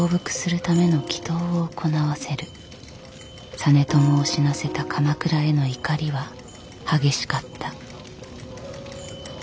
実朝を死なせた鎌倉への怒りは激しかった。